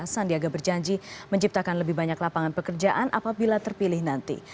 sandiaga berjanji menciptakan lebih banyak lapangan pekerjaan apabila terpilih nanti